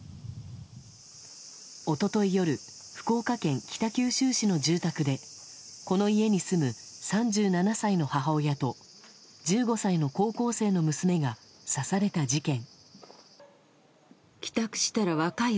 一昨日夜福岡県北九州市の自宅でこの家に住む、３７歳の母親と１５歳の高校生の娘が刺された事件。